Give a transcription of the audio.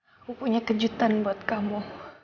aku punya kejutan buat kamu